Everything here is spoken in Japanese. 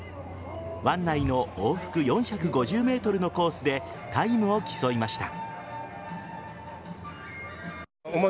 湾内の往復４５０ｍのコースでタイムを競いました。